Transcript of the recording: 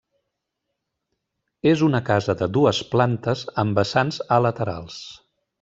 És una casa de dues plantes amb vessants a laterals.